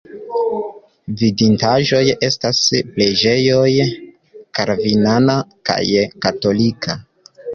Vidindaĵoj estas preĝejoj kalvinana kaj katolika.